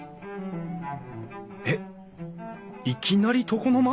えっいきなり床の間！？